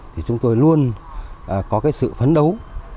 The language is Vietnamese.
thì chúng tôi luôn có cái sự phấn đấu